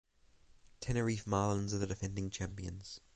Tenerife Marlins are the defending champions.